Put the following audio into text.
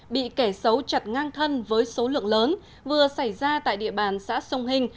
bị kẻ xấu chặt ngang thân với số lượng lớn vừa xảy ra tại địa bàn xã sông hình